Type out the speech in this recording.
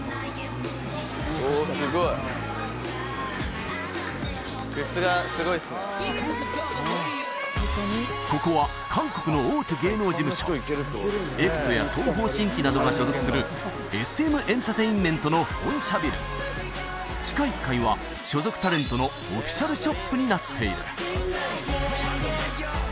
おおすごいここは韓国の大手芸能事務所ＥＸＯや東方神起などが所属するＳＭエンタテインメントの本社ビル地下１階は所属タレントのオフィシャルショップになっている